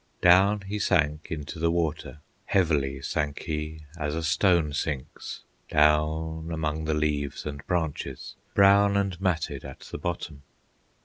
Down he sank into the water, Heavily sank he, as a stone sinks, Down among the leaves and branches, Brown and matted at the bottom.